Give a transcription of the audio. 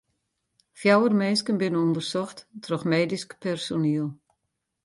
Fjouwer minsken binne ûndersocht troch medysk personiel.